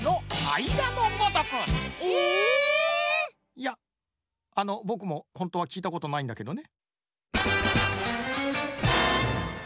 ⁉いやあのぼくもほんとはきいたことないんだけどね。